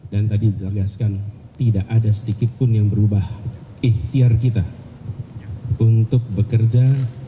dan tadi dijaraskan tidak ada sedikit pun yang berubah ikhtiar kita untuk bekerja